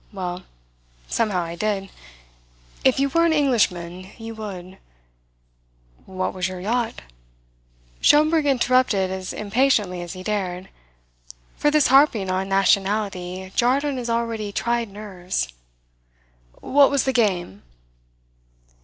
Well, somehow I did. If you were an Englishman, you would " "What was your yacht?" Schomberg interrupted as impatiently as he dared; for this harping on nationality jarred on his already tried nerves. "What was the game?"